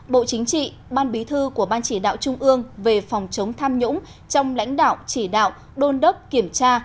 bộ chính trị ban bí thư của ban chỉ đạo trung ương về phòng chống tham nhũng trong lãnh đạo chỉ đạo đôn đốc kiểm tra